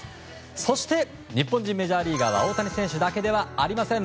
そして日本人メジャーリーガーは大谷選手だけではありません。